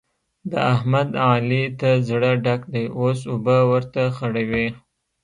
د احمد؛ علي ته زړه ډک دی اوس اوبه ورته خړوي.